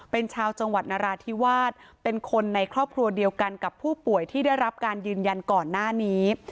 เป็นชาวจังหวัดนราธิวาสเป็นคนในครอบครัวเดียวกันกับผู้ป่วยที่ได้รับการยืนยันก่อนหน้านี้